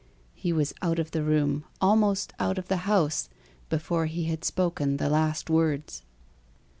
He was out of the room, almost out of the house, before he had spoken the last words.